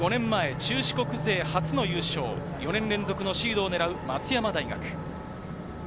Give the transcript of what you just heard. ５年前、中四国勢で初の優勝、４年連続のシードを狙う松山大学。